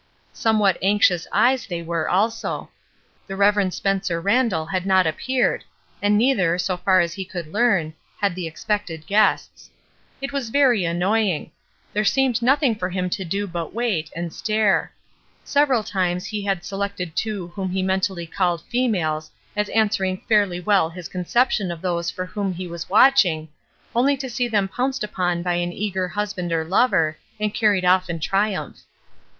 Somewhat anxious eyes they were, also; the Rev. Spencer Randall had not appeared, and neither, so far as he could learn, had the 400 ESTER RIED'S NAMESAKE expected guests. It was very annoying; there seemed nothing for him to do but wait, and stare. Several times he had selected two whom he mentally called '' females " as answering fairly well his conception of those for whom he was watching, only to see them pounced upon by an eager husband or lover, and carried off in triumph.